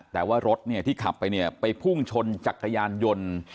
แต่ว่ารถที่ขับไปไปพุ่งชนจักรยานยนต์